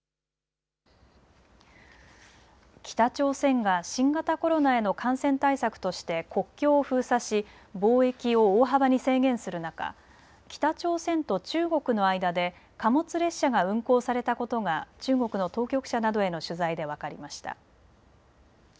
北朝鮮が新型コロナへの感染対策として国境を封鎖し、貿易を大幅に制限する中、北朝鮮と中国の間で貨物列車が運行されたことが中国の当局者などへの取材で分かりました。